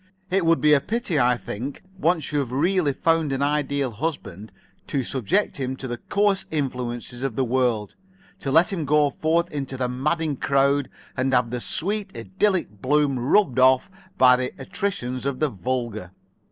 It would be a pity, I think, once you have really found an Ideal Husband, to subject him to the coarse influences of the world; to let him go forth into the madding crowd and have the sweet idyllic bloom rubbed off by the attritions of the vulgar.